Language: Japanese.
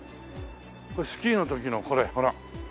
これスキーの時のこれほら。